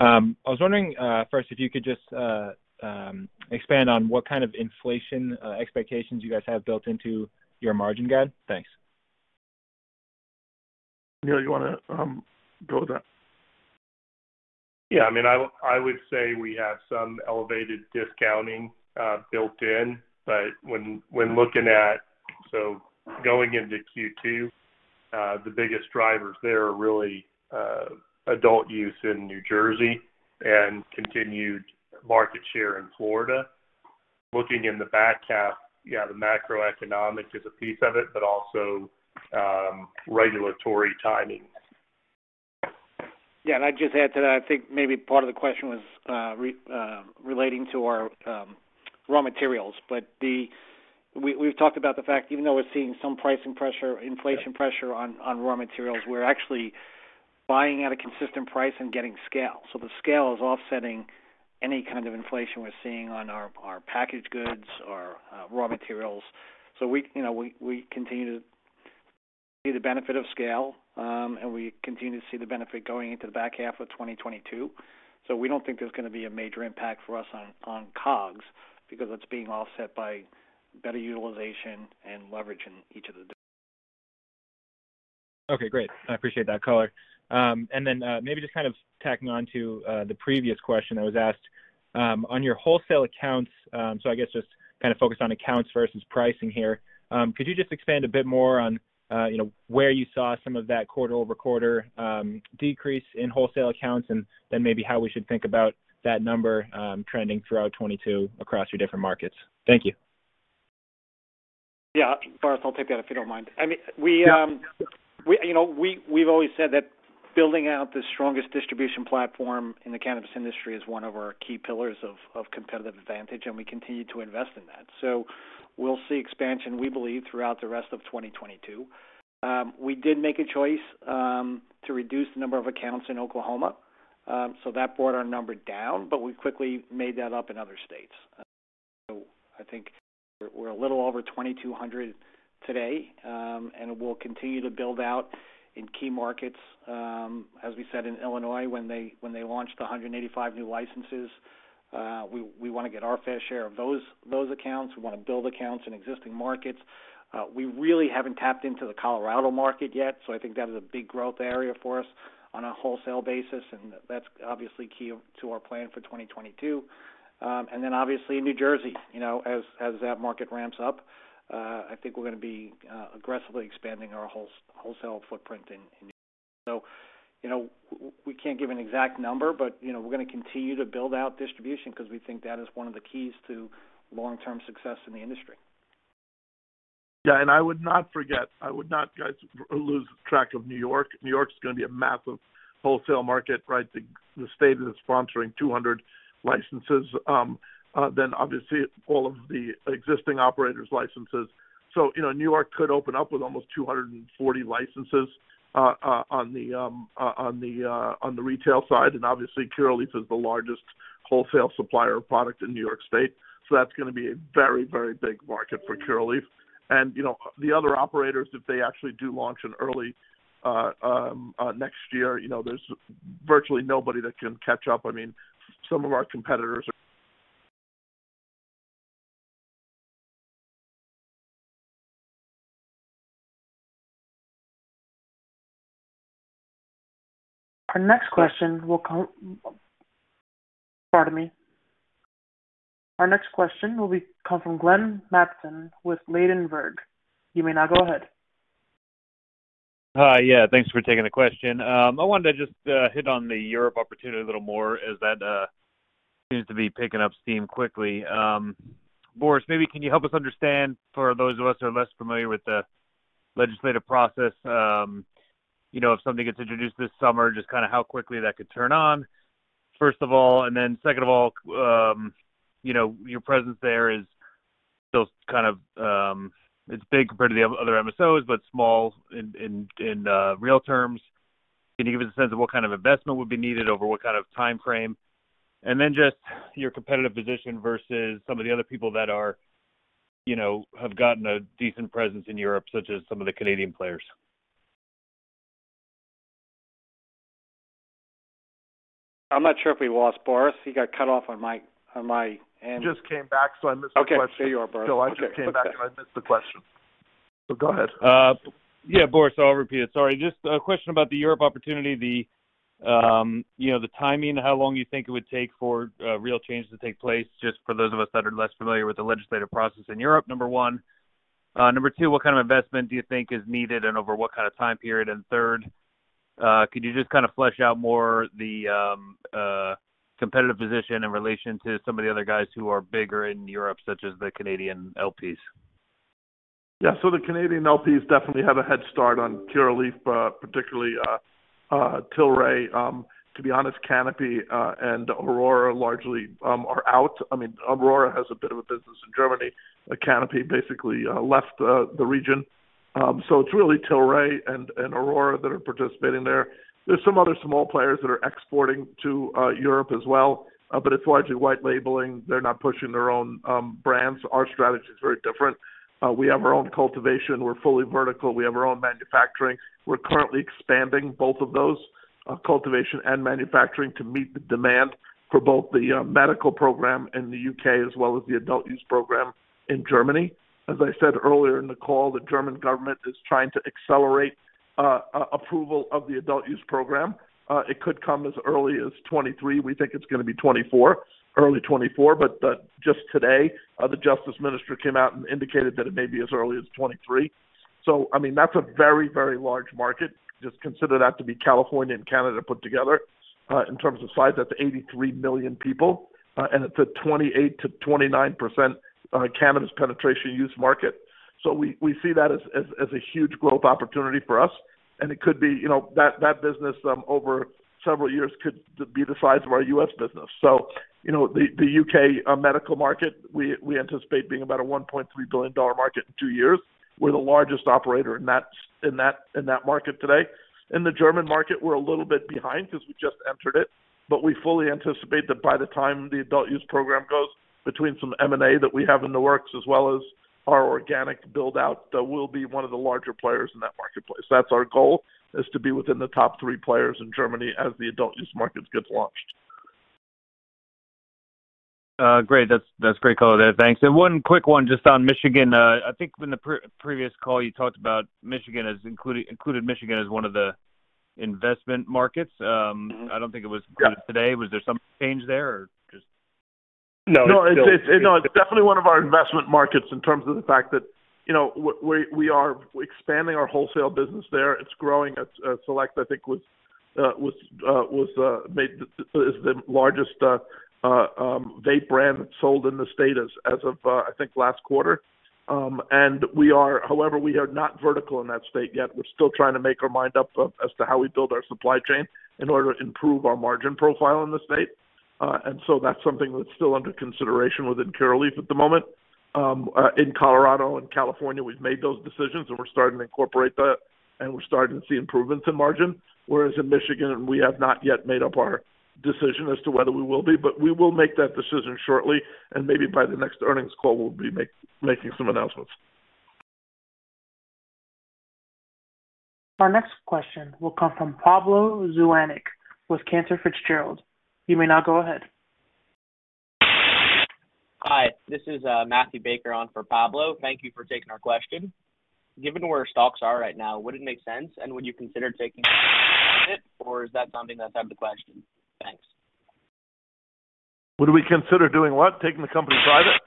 I was wondering, first if you could just expand on what kind of inflation expectations you guys have built into your margin guide? Thanks. Neil, you wanna go with that? Yeah, I mean, I would say we have some elevated discounting built in. When looking at going into Q2, the biggest drivers there are really adult use in New Jersey and continued market share in Florida. Looking in the back half, yeah, the macroeconomics is a piece of it, but also regulatory timing. Yeah. I'd just add to that, I think maybe part of the question was relating to our raw materials. We've talked about the fact even though we're seeing some pricing pressure, inflation pressure on raw materials, we're actually buying at a consistent price and getting scale. The scale is offsetting any kind of inflation we're seeing on our packaged goods or raw materials. We, you know, we continue to see the benefit of scale, and we continue to see the benefit going into the back half of 2022. We don't think there's gonna be a major impact for us on COGS because it's being offset by better utilization and leverage in each of the Okay, great. I appreciate that color. Maybe just kind of tacking on to the previous question that was asked on your wholesale accounts, so I guess just kind of focused on accounts versus pricing here. Could you just expand a bit more on, you know, where you saw some of that quarter-over-quarter decrease in wholesale accounts and then maybe how we should think about that number trending throughout 2022 across your different markets? Thank you. Yeah. Bart, I'll take that if you don't mind. I mean, we Yeah. You know, we've always said that building out the strongest distribution platform in the cannabis industry is one of our key pillars of competitive advantage, and we continue to invest in that. We'll see expansion, we believe, throughout the rest of 2022. We did make a choice to reduce the number of accounts in Oklahoma, so that brought our number down, but we quickly made that up in other states. I think we're a little over 2,200 today, and we'll continue to build out in key markets, as we said in Illinois when they launched 185 new licenses. We wanna get our fair share of those accounts. We wanna build accounts in existing markets. We really haven't tapped into the Colorado market yet, so I think that is a big growth area for us on a wholesale basis, and that's obviously key to our plan for 2022. Obviously in New Jersey, you know, as that market ramps up, I think we're gonna be aggressively expanding our wholesale footprint in New Jersey. You know, we can't give an exact number, but, you know, we're gonna continue to build out distribution because we think that is one of the keys to long-term success in the industry. Yeah, I would not forget, guys, lose track of New York. New York is gonna be a massive wholesale market, right? The state is sponsoring 200 licenses. Then obviously all of the existing operators licenses. You know, New York could open up with almost 240 licenses on the retail side. Obviously Curaleaf is the largest wholesale supplier of product in New York State. That's gonna be a very, very big market for Curaleaf. You know, the other operators, if they actually do launch in early next year, you know, there's virtually nobody that can catch up. I mean, some of our competitors are- Our next question will come from Glenn Mattson with Ladenburg Thalmann. You may now go ahead. Yeah, thanks for taking the question. I wanted to just hit on the Europe opportunity a little more as that seems to be picking up steam quickly. Boris, maybe can you help us understand, for those of us who are less familiar with the legislative process, you know, if something gets introduced this summer, just kinda how quickly that could turn on, first of all. Then second of all, you know, your presence there is still kind of, it's big compared to the other MSOs, but small in real terms. Can you give us a sense of what kind of investment would be needed over what kind of time frame? Just your competitive position versus some of the other people that are, you know, have gotten a decent presence in Europe, such as some of the Canadian players? I'm not sure if we lost Boris. He got cut off on my end. Just came back, so I missed the question. Okay. There you are, Boris. Joe, I just came back, and I missed the question. Go ahead. Yeah, Boris, I'll repeat it. Sorry. Just a question about the Europe opportunity. You know, the timing, how long you think it would take for real change to take place, just for those of us that are less familiar with the legislative process in Europe, number one. Number two, what kind of investment do you think is needed and over what kind of time period? Third, could you just kinda flesh out more the competitive position in relation to some of the other guys who are bigger in Europe, such as the Canadian LPs? Yeah. The Canadian LPs definitely have a head start on Curaleaf, particularly Tilray. To be honest, Canopy and Aurora largely are out. I mean, Aurora has a bit of a business in Germany. Canopy basically left the region. It's really Tilray and Aurora that are participating there. There's some other small players that are exporting to Europe as well, but it's largely white labeling. They're not pushing their own brands. Our strategy is very different. We have our own cultivation. We're fully vertical. We have our own manufacturing. We're currently expanding both of those, cultivation and manufacturing, to meet the demand for both the medical program in the UK as well as the adult use program in Germany. As I said earlier in the call, the German government is trying to accelerate approval of the adult use program. It could come as early as 2023. We think it's gonna be 2024, early 2024. But just today, the justice minister came out and indicated that it may be as early as 2023. So I mean, that's a very, very large market. Just consider that to be California and Canada put together. In terms of size, that's 83 million people. And it's a 28%-29% cannabis penetration use market. So we see that as a huge growth opportunity for us. It could be, you know, that business over several years could be the size of our U.S. business. You know, the UK medical market, we anticipate being about a $1.3 billion market in two years. We're the largest operator in that market today. In the German market, we're a little bit behind 'cause we just entered it. But we fully anticipate that by the time the adult use program goes, between some M&A that we have in the works as well as our organic build out, that we'll be one of the larger players in that marketplace. That's our goal, is to be within the top three players in Germany as the adult use market gets launched. Great. That's great color there. Thanks. One quick one just on Michigan. I think in the previous call you talked about including Michigan as one of the investment markets. Mm-hmm. I don't think it was. Yeah. Included today. Was there some change there or just No. It's definitely one of our investment markets in terms of the fact that, you know, we are expanding our wholesale business there. It's growing. It's Select, I think, is the largest vape brand sold in the state as of, I think, last quarter. However, we are not vertical in that state yet. We're still trying to make our mind up as to how we build our supply chain in order to improve our margin profile in the state. That's something that's still under consideration within Curaleaf at the moment. In Colorado and California, we've made those decisions, and we're starting to incorporate that, and we're starting to see improvements in margin. Whereas in Michigan, we have not yet made up our decision as to whether we will be, but we will make that decision shortly, and maybe by the next earnings call, we'll be making some announcements. Our next question will come from Pablo Zuanic with Cantor Fitzgerald. You may now go ahead. Hi, this is Matthew Baker on for Pablo. Thank you for taking our question. Given where stocks are right now, would it make sense and would you consider taking the company private or is that something that's out of the question? Thanks. Would we consider doing what? Taking the company private?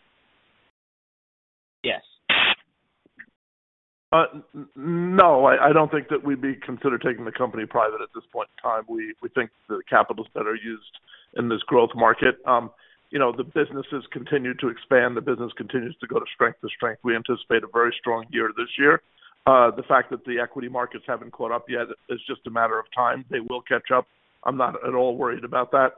Yes. No, I don't think that we'd be considering taking the company private at this point in time. We think the capital's better used in this growth market. You know, the business has continued to expand. The business continues to go from strength to strength. We anticipate a very strong year this year. The fact that the equity markets haven't caught up yet is just a matter of time. They will catch up. I'm not at all worried about that.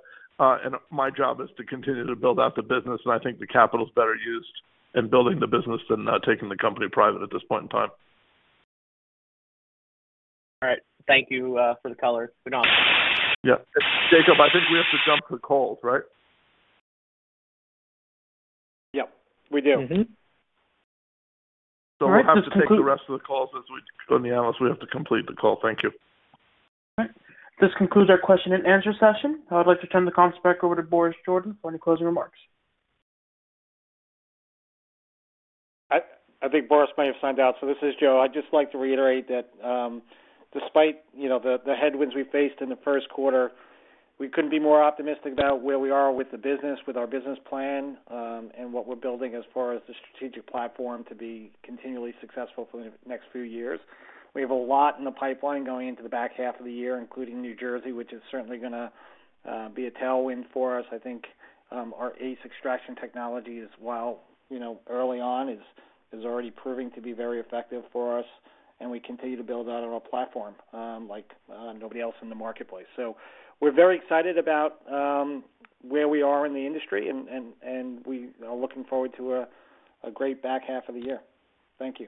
My job is to continue to build out the business, and I think the capital's better used in building the business than taking the company private at this point in time. All right. Thank you for the color. Good night. Yeah. Jakob, I think we have to jump for calls, right? Yep, we do. All right. This concludes. We'll have to take the rest of the calls as we go on to the analyst. We have to complete the call. Thank you. All right. This concludes our question and answer session. I would like to turn the conference back over to Boris Jordan for any closing remarks. I think Boris may have signed out. This is Joe. I'd just like to reiterate that, despite, you know, the headwinds we faced in the first quarter, we couldn't be more optimistic about where we are with the business, with our business plan, and what we're building as far as the strategic platform to be continually successful for the next few years. We have a lot in the pipeline going into the back half of the year, including New Jersey, which is certainly gonna be a tailwind for us. I think our ACE extraction technology is, while, you know, early on, already proving to be very effective for us, and we continue to build out on our platform, like nobody else in the marketplace. We're very excited about where we are in the industry and we are looking forward to a great back half of the year. Thank you.